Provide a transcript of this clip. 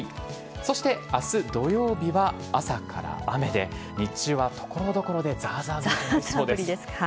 そして明日土曜日は朝から雨で日中は所々でザーザー降りとなりそうです。